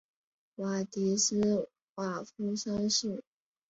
瓦迪斯瓦夫三世。